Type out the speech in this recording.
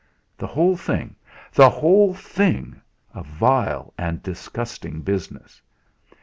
The whole thing the whole thing! a vile and disgusting business!